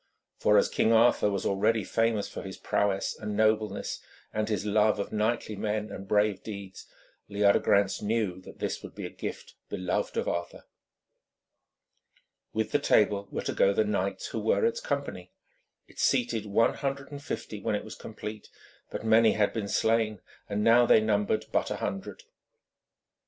For, as King Arthur was already famous for his prowess and nobleness and his love of knightly men and brave deeds, Leodegrance knew that this would be a gift beloved of Arthur. With the table were to go the knights who were its company. It seated one hundred and fifty when it was complete, but many had been slain, and now they numbered but a hundred.